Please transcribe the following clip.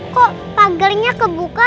kok pagarannya kebuka